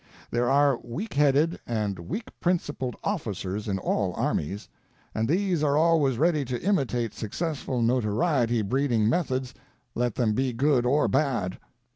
There are weak headed and weak principled officers in all armies, and these are always ready to imitate successful notoriety breeding methods, let them be good or bad.